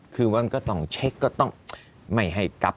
คือว่ามันก็ต้องเช็คไม่ให้กลับ